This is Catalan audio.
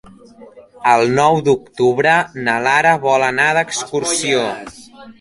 El nou d'octubre na Lara vol anar d'excursió.